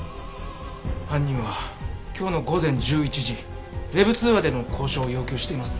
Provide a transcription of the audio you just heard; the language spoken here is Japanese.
犯人は今日の午前１１時Ｗｅｂ通話での交渉を要求しています。